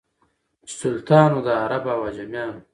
چي سلطان وو د عرب او عجمیانو